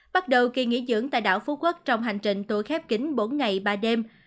bắt đầu kỳ nghỉ dưỡng tại đảo phú quốc trong hành trình tùa khép kính bốn ngày ba đêm